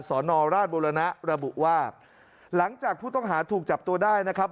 สอนอราชบุรณะระบุว่าหลังจากผู้ต้องหาถูกจับตัวได้นะครับ